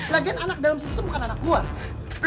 lagian anak dalam situ tuh bukan anak gue